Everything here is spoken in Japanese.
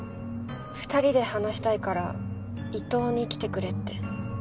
２人で話したいから伊東に来てくれって。